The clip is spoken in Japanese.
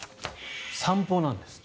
散歩なんですって。